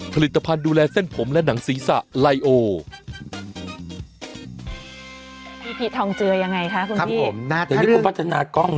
พี่พีชทองเจือยังไงคะคุณพี่อย่างนี้คุณพัฒนากล้องเนอะ